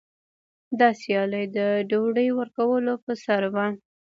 دا سیالي د ډوډۍ ورکولو په سر وه.